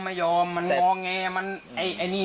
ไม่ยอมมันมองแง